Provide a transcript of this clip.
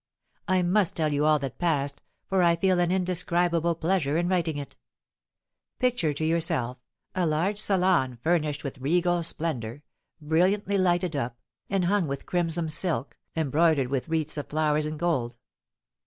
I must tell you all that passed, for I feel an indescribable pleasure in writing it. Picture to yourself a large salon furnished with regal splendour, brilliantly lighted up, and hung with crimson silk, embroidered with wreaths of flowers in gold.